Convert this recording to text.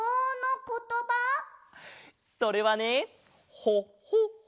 それはね「ホ！ホ！ホ！」